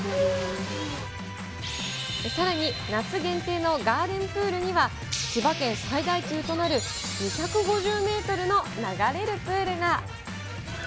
さらに夏限定のガーデンプールには、千葉県最大級となる、２５０メートルの流れるプールが。